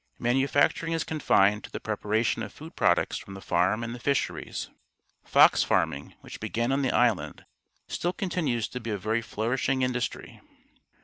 Manufacturing is confined to the preparation of food products from the farm and the fisheries. Fox farming, which began on the island, still continues to be a very flourishing industry.